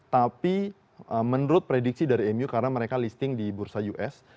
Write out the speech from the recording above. tapi menurut prediksi dari mu karena mereka listing di bursa us